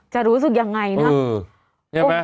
รู้สึกยังไงนะ